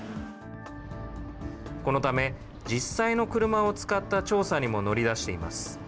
このため、実際の車を使った調査にも乗り出しています。